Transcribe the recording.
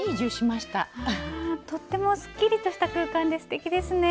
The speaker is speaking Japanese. とってもすっきりとした空間ですてきですね。